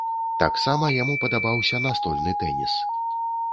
Таксама яму падабаўся настольны тэніс.